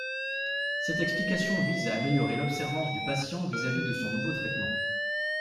Cette explication vise à améliorer l'observance du patient vis-à-vis de son nouveau traitement.